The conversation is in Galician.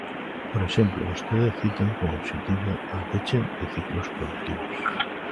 Por exemplo, vostedes citan como obxectivo o peche de ciclos produtivos.